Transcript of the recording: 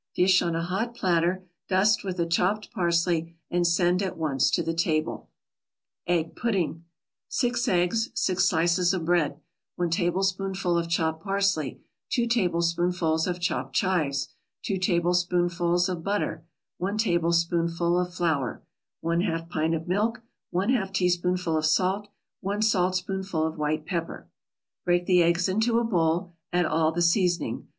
Dish on a hot platter, dust with the chopped parsley and send at once to the table. EGG PUDDING 6 eggs 6 slices of bread 1 tablespoonful of chopped parsley 2 tablespoonfuls of chopped chives 2 tablespoonfuls of butter 1 tablespoonful of flour 1/2 pint of milk 1/2 teaspoonful of salt 1 saltspoonful of white pepper Break the eggs in a bowl, add all the seasoning.